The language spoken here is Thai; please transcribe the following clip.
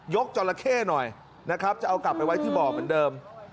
จราเข้หน่อยนะครับจะเอากลับไปไว้ที่บ่อเหมือนเดิม